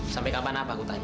sampai kapan apa aku tanya